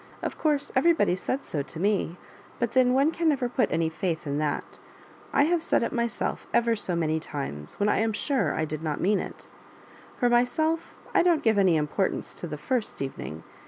Of course everybody said so to me ; but then one can never put any faith in that I have said it myself ever so many times when I am sure I did not mean it For myself, I don't give any importance to the first evening.